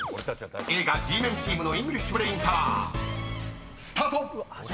映画Ｇメンチームのイングリッシュブレインタワースタート！］